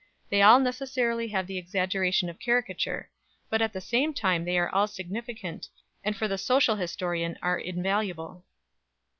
They all necessarily have the exaggeration of caricature; but at the same time they are all significant, and for the social historian are invaluable.